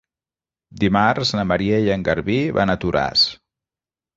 Dimarts na Maria i en Garbí van a Toràs.